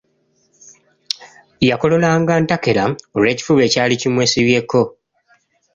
Yakololanga ntakera, olw'ekifuba ekyali kimwesibyeko.